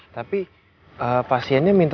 tapi pasiennya minta